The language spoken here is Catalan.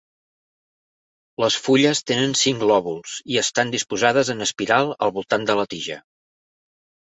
Les fulles tenen cinc lòbuls i estan disposades en espiral al voltant de la tija.